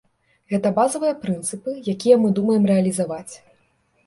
Гэта базавыя прынцыпы, якія мы думаем рэалізаваць.